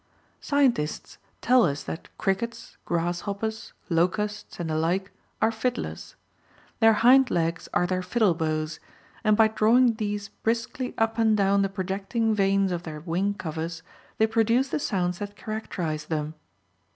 Scientists tell us that crickets, grasshoppers, locusts and the like are fiddlers. Their hind legs are their fiddle bows, and by drawing these briskly up and down the projecting veins of their wing covers they produce the sounds that characterize them.